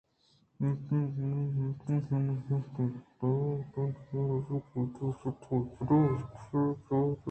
پیسریگیں کلوہ انگتءَتو سر نہ کُتگ اَنت ؟ تودومی روچ ءَ قلات نہ شتگئے بزو بچہ پنچ آں چامپٹ جال